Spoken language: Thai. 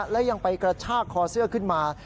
และยังไปกระชากคอเสื้อขึ้นมา